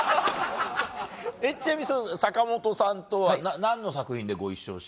えっちなみにその坂元さんとは何の作品でご一緒したの？